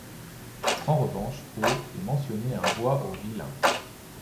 En revanche, au est mentionné un bois au Vilhain.